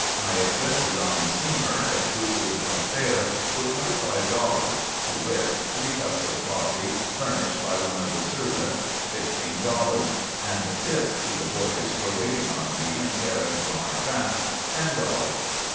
My expenses on the steamer, exclusive of fare, were twenty five dollars, to wit: three cups of coffee furnished by one of the servants, fifteen dollars; and "tip" to the boy for waiting on me and caring for my traps, ten dollars.